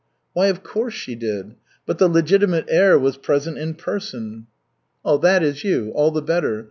"Why, of course, she did. But the legitimate heir was present in person." "That is you. All the better.